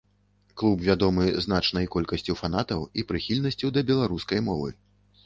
Клуб вядомы значнай колькасцю фанатаў і прыхільнасцю да беларускай мовы.